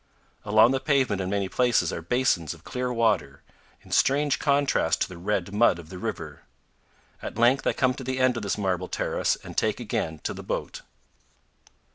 Along the pavement in many places are basins of clear water, in strange contrast to the red mud of the river. At length I come to the end of this marble terrace and take again to the boat.